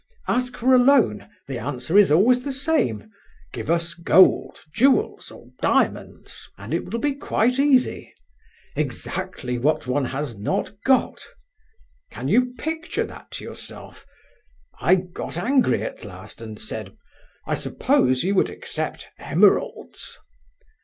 Ask for a loan, the answer is always the same: 'Give us gold, jewels, or diamonds, and it will be quite easy.' Exactly what one has not got! Can you picture that to yourself? I got angry at last, and said, 'I suppose you would accept emeralds?